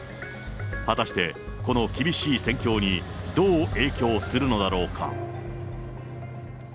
果たしてこの厳しい戦況にどう影響するのだろうか。